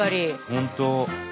本当。